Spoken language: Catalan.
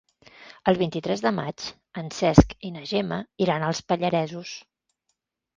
El vint-i-tres de maig en Cesc i na Gemma iran als Pallaresos.